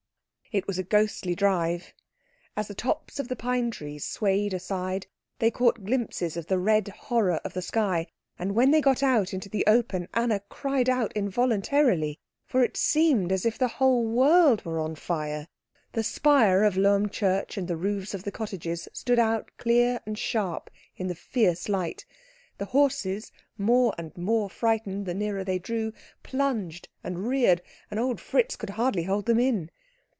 It was a ghostly drive. As the tops of the pine trees swayed aside they caught glimpses of the red horror of the sky; and when they got out into the open Anna cried out involuntarily, for it seemed as if the whole world were on fire. The spire of Lohm church and the roofs of the cottages stood out clear and sharp in the fierce light. The horses, more and more frightened the nearer they drew, plunged and reared, and old Fritz could hardly hold them in.